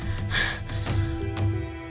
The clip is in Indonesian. kau keren banget